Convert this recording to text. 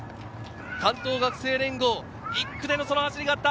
関東学生連合、１区でのその走りがあった。